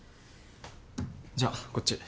じゃあこっち。